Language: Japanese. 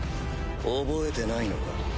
覚えてないのか？